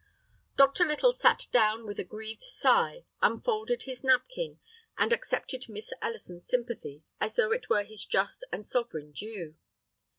Dr. Little sat down with a grieved sigh, unfolded his napkin, and accepted Miss Ellison's sympathy as though it were his just and sovereign due.